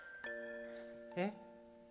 えっ？